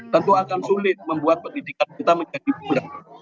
tentu akan sulit membuat pendidikan kita menjadi bunda